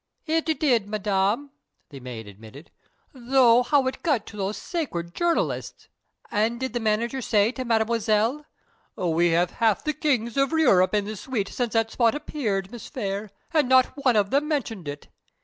"It did, Madame," the maid admitted. "Though how it got to these sacred journalists " "And did the manager say to Mademoiselle, 'We have had half the kings of Europe in this suite since that spot appeared, Miss Phayre, and not one of them mentioned it!'"